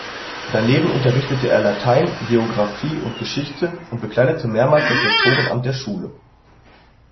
Daneben unterrichtete er Latein, Geographie und Geschichte und bekleidete mehrmals das Rektorenamt der Schule.